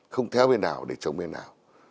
không theo bên nào để chống bên nào